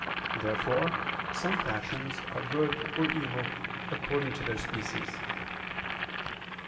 Therefore some passions are good or evil according to their species.